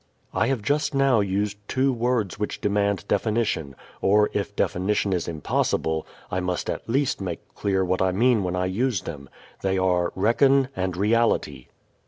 I have just now used two words which demand definition; or if definition is impossible, I must at least make clear what I mean when I use them. They are "reckon" and "reality."